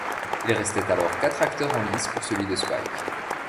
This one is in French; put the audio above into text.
Il restait alors quatre acteurs en lice pour celui de Spike.